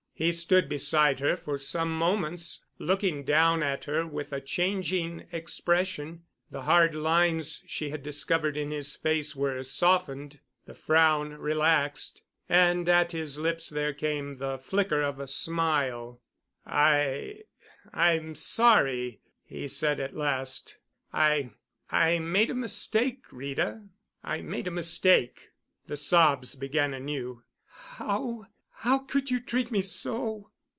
He stood beside her for some moments, looking down at her with a changing expression. The hard lines she had discovered in his face were softened, the frown relaxed, and at his lips there came the flicker of a smile. "I—I'm sorry," he said at last. "I—I made a mistake, Rita. I made a mistake." The sobs began anew. "How—how could you—treat me so?"